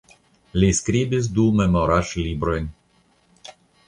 Li skribis du memoraĵlibrojn.